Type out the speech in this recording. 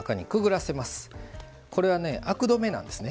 これはねアク止めなんですね。